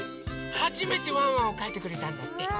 はじめてワンワンをかいてくれたんだって！